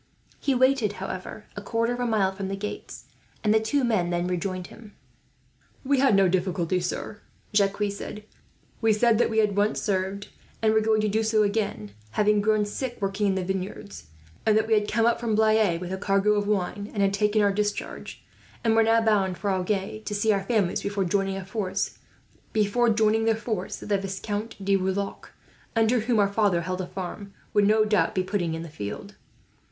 He waited, however, a quarter of a mile from the gates, and the two men then rejoined him. "We had no difficulty, sir," Jacques said. "We said that we once had served, and were going to do so again, having grown sick working in the vineyards; and that we had come up from Blaye with a cargo of wine, and had taken our discharge, and were now bound for Agen to see our families, before joining the force that the Viscount de Rouillac, under whom our father held a farm, would no doubt be putting in the field.